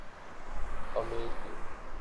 امیر کی